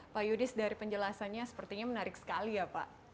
pak yudis dari penjelasannya sepertinya menarik sekali ya pak